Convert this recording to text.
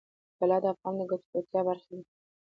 طلا د افغانانو د ګټورتیا برخه ده.